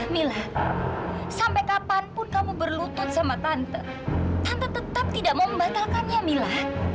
mila sampai kapanpun kamu berlutut sama tante tante tetap tidak mau membatalkannya mila